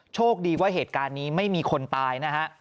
โชคดีว่าเหตุการณ์นี้ไม่มีคนตายนะฮะ